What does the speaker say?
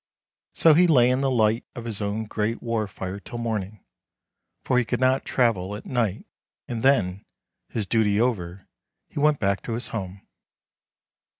So he lay in the light of his own great war fire till morning, for he could not travel at night, and then, his duty over, he went back to his home.